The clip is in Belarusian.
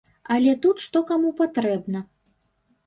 Але тут што каму патрэбна.